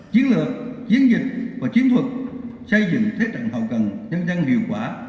chiến lược chiến dịch và chiến thuật xây dựng thế trận hậu cần nhân dân hiệu quả